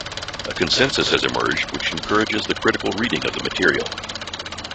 A consensus has emerged which encourages the critical reading of the material.